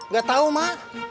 gak tahu mak